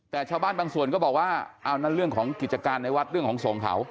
แต่ชาวบ้านบางส่วนก็บอกว่าเอานั่นเรื่องของกิจการในวัดเรื่องของส่งเขา